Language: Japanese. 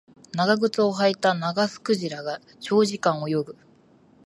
長靴を履いたナガスクジラが長時間泳ぐ